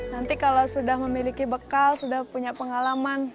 nanti kalau sudah memiliki bekal sudah punya pengalaman